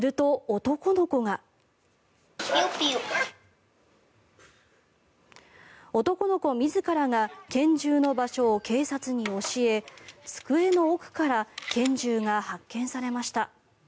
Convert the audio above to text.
男の子自らが拳銃の場所を警察に教え机の奥から拳銃が発見されました。